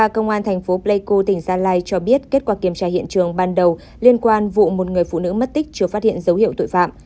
công an thành phố pleiku tỉnh gia lai cho biết kết quả kiểm tra hiện trường ban đầu liên quan vụ một người phụ nữ mất tích chưa phát hiện dấu hiệu tội phạm